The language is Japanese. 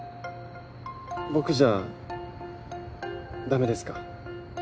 僕じゃだめですか？